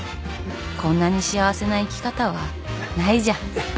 こんなに幸せな生き方はないじゃん。